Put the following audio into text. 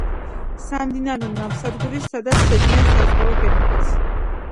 სამდინარო ნავსადგური, სადაც შედიან საზღვაო გემებიც.